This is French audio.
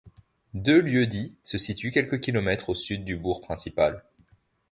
Deux lieux-dits se situent quelques kilomètres au sud du bourg principal.